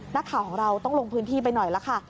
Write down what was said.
นักข่าวของเราต้องลงพื้นที่ไปหน่อยละค่ะ